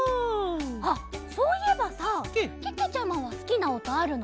あっそういえばさけけちゃまはすきなおとあるの？